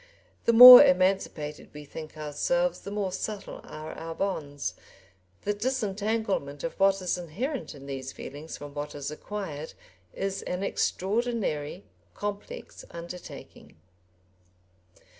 The more emancipated we think ourselves the more subtle are our bonds. The disentanglement of what is inherent in these feelings from what is acquired is an extraordinary complex undertaking.